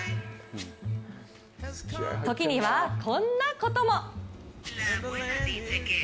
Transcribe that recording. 時には、こんなことも。